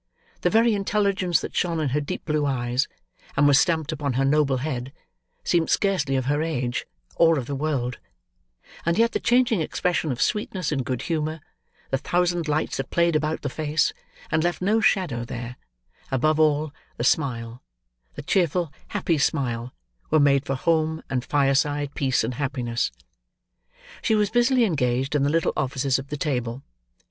The very intelligence that shone in her deep blue eye, and was stamped upon her noble head, seemed scarcely of her age, or of the world; and yet the changing expression of sweetness and good humour, the thousand lights that played about the face, and left no shadow there; above all, the smile, the cheerful, happy smile, were made for Home, and fireside peace and happiness. She was busily engaged in the little offices of the table.